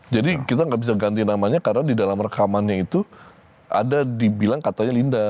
jadi kita gak bisa ganti namanya karena di dalam rekamannya itu ada dibilang katanya linda